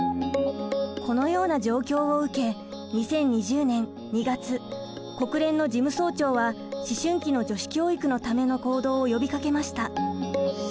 このような状況を受け２０２０年２月国連の事務総長は思春期の女子教育のための行動を呼びかけました。